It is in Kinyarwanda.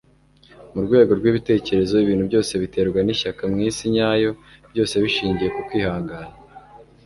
mu rwego rw'ibitekerezo ibintu byose biterwa n'ishyaka mu isi nyayo byose bishingiye ku kwihangana